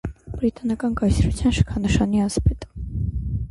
Բրիտանական կայսրության շքանշանի ասպետ։